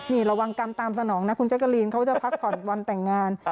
นี่ระวังกรรมตามสนองนะคุณแจกะลีนเขาจะพักผ่อนวันแต่งงาน